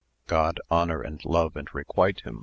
God honour and love and requite him.